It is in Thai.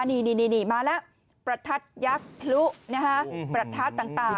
นี่มาแล้วประทัดยักษ์พลุประทัดต่าง